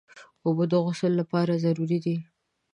اوبه د غسل لپاره ضروري دي.